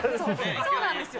そうなんですよ。